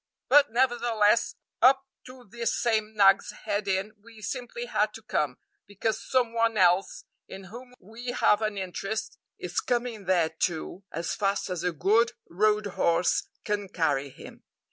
But, nevertheless, up to this same Nag's Head Inn we simply had to come, because some one else, in whom we have an interest, is coming there too as fast as a good road horse can carry him.